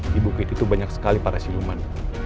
di bukit itu banyak sekali para siluman